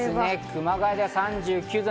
熊谷では３９度。